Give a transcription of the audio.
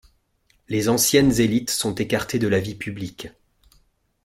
Les anciennes élites sont écartées de la vie publique.